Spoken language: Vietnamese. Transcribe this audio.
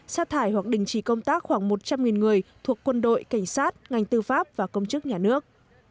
xa thải hoặc đình chỉ công tác khoảng một trăm linh người thuộc quân đội cảnh sát ngành tư pháp và công chức nhà nước